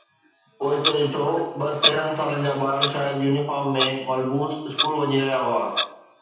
پوئتي ڏٺو، ٻه تيرهن سالن جا ٻار شايد يونيفارم ۾ ملبوس اسڪول وڃي رهيا هئا.